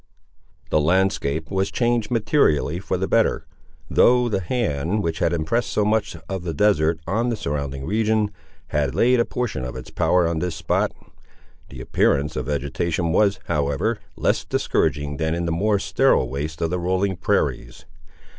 The landscape was changed materially for the better; though the hand, which had impressed so much of the desert on the surrounding region, had laid a portion of its power on this spot. The appearance of vegetation was, however, less discouraging than in the more sterile wastes of the rolling prairies.